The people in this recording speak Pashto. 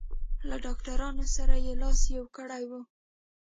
له ډاکټرانو سره یې لاس یو کړی و.